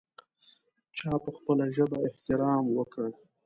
چا په خپله ژبه احترام وکړ.